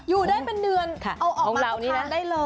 อยู่ได้เป็นเดือนเอาออกมาตรงนั้นได้เลย